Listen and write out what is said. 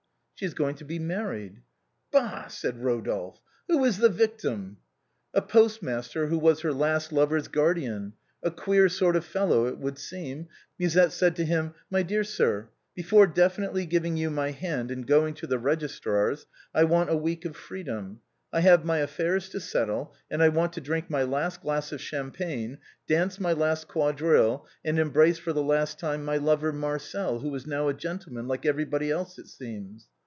" She is going to be married." " Bah !" said Rodolphe. " Who is the victim ?" "A postmaster who was her last lovers guardian; a queer sort of fellow, it would seem. Musette said to him, * My dear sir, before definitely giving you my hand and going to the registrar's I want a week of freedom. I have my affairs to settle, and I want to drink my last glass of Champagne, dance my last quadrille, and embrace for the last time my lover. Marcel, who is now a gentleman, like everybody else, it seems.'